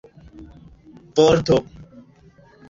vorto